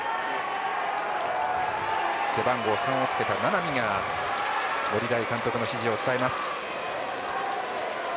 背番号３をつけた名波が森大監督の指示を伝えます。